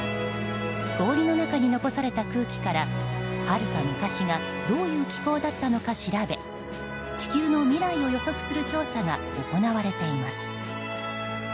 氷の中に残された空気からはるか昔がどういう気候だったのか調べ地球の未来を予測する調査が行われています。